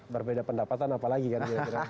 berbeda pendapatan apalagi kan